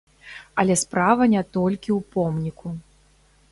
Але справа не толькі ў помніку.